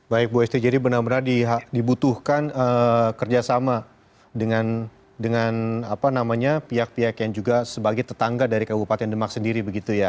baik bu esti jadi benar benar dibutuhkan kerjasama dengan pihak pihak yang juga sebagai tetangga dari kabupaten demak sendiri begitu ya